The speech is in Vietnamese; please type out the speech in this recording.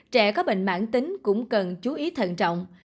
trẻ có bệnh mãn tính cũng cần chú ý thận trọng